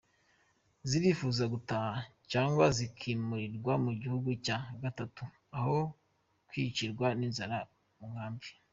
Zirifuza gutaha cyangwa zikimurirwa mu gihugu cya gatatu aho kwicirwa n’inzara mu nkambi.